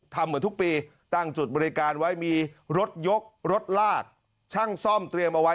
เหมือนทุกปีตั้งจุดบริการไว้มีรถยกรถลากช่างซ่อมเตรียมเอาไว้